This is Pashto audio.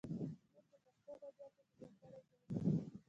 شپون په پښتو ادبیاتو کې ځانګړی ځای لري.